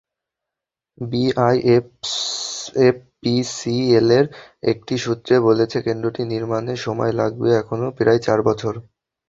বিআইএফপিসিএলের একটি সূত্র বলেছে, কেন্দ্রটি নির্মাণে সময় লাগবে এখনো প্রায় চার বছর।